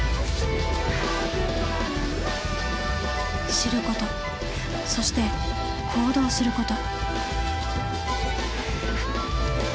知ることそして行動すること。